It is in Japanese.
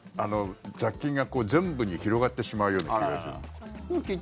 雑菌が全部に広がってしまうような気がする。